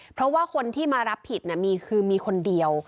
เพราะว่าคนที่มารับผิดมีคือมีคนเดียว